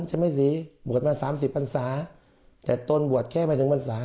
ใช่ไหมสิบวชมา๓๐พรรษะแต่ต้นบวชแค่มา๑พรรษะ